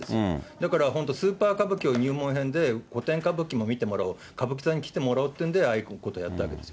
だから本当、スーパー歌舞伎を入門編で、古典歌舞伎も見てもらおう、歌舞伎座に来てもらおうということで、ああいうことをやったんです。